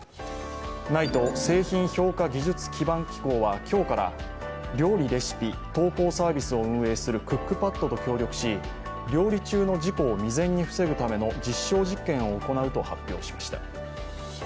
ＮＩＴＥ＝製品評価技術基盤機構は今日から料理レシピ投稿サービスを運営するクックパッドと協力し料理中の事故を未然に防ぐための実証実験を行うと発表しました。